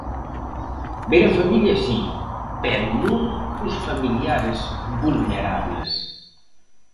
Ver a familia si, pero non os familiares vulnerables.